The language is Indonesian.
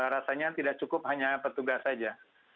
rasanya tidak cukup hanya petugas saja